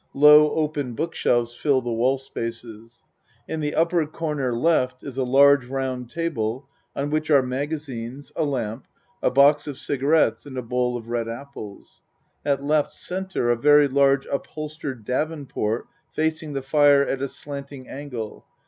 Low open book shelves fill the wall spaces. In the up per corner L. is a large round table on which are magazines, a lamp a box of cigarettes and a bowl of red apples. At L. C. a very large uphol stered davenport facing the fire at a slanting angle.